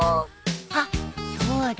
あっそうだ。